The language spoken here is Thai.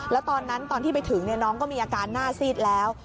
แล้วตอนนั้นตอนที่ไปถึงน้องก็มีอาการหน้าซีดแล้ว